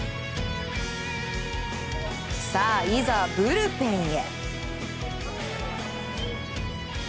さあ、いざブルペンへ。